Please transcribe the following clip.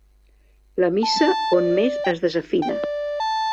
La missa on més es desafina.